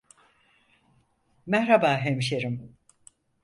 Merhaba hemşerim!